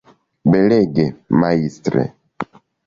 Belege, majstre!